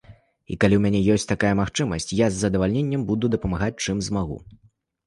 І калі ў мяне ёсць такая магчымасць, я з задавальненнем буду дапамагаць, чым змагу.